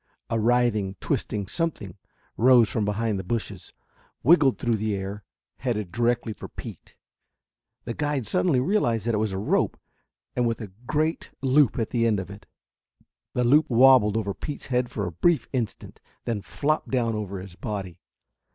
A writhing, twisting something rose from behind the bushes, wriggled through the air, headed directly for Pete. The guide suddenly realized that it was a rope, with a great loop at the end of it. The loop wobbled over Pete's head for a brief instant, then flopped down over his body.